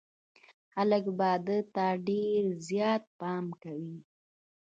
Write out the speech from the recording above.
خلک به ده ته ډېر زيات پام کوي.